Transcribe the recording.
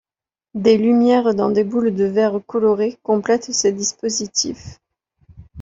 Des lumières dans des boules de verre colorées complètent ces dispositifs.